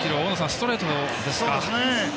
ストレートですか。